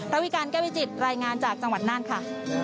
วิการแก้วิจิตรายงานจากจังหวัดน่านค่ะ